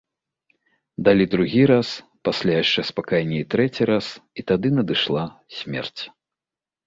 Далі другі раз, пасля яшчэ спакайней трэці раз, і тады надышла смерць.